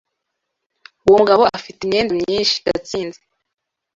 Uwo mugabo afite imyenda myinshi. gatsinzi